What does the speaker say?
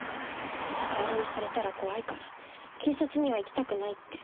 逆恨みされたら怖いから警察には行きたくないって。